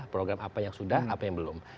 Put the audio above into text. program apa yang sudah apa yang belum